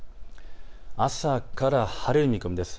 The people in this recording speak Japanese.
朝から晴れる見込みです。